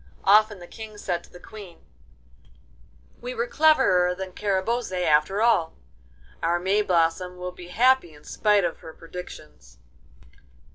Often the King said to the Queen: 'We were cleverer than Carabosse after all. Our Mayblossom will be happy in spite of her predictions.